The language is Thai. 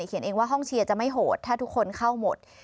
เองว่าห้องเชียร์จะไม่โหดถ้าทุกคนเข้าหมด